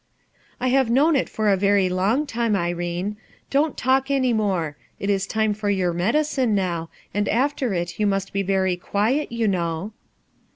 "I have known it for a very long time, Irene. Don't talk any more; it is time for your medi cine now, and after it you must be very quiet, you know."